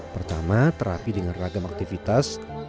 pertama terapi dengan ragam aktivitas